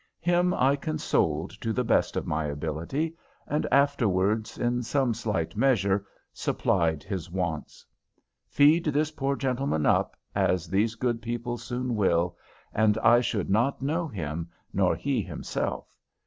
Him I consoled to the best of my ability, and afterwards, in some slight measure, supplied his wants. Feed this poor gentleman up, as these good people soon will, and I should not know him, nor he himself.